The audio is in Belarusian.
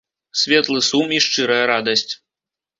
Светлы сум і шчырая радасць.